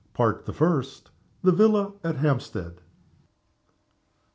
Part the First. THE VILLA AT HAMPSTEAD.